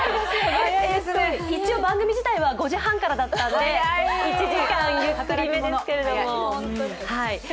番組自体は５時半からだったんで１時間ゆっくりめですけれども。